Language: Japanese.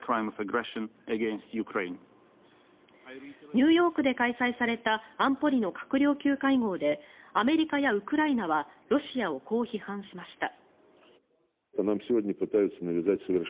ニューヨークで開催された安保理の閣僚級会合でアメリカやウクライナはロシアをこう批判しました。